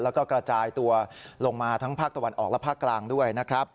แล้วก็กระจายตัวลงมาทั้งภาคตะวันออกและภาคกลางด้วยนะครับ